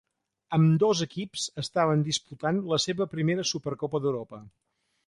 Ambdós equips estaven disputant la seva primera Supercopa d'Europa.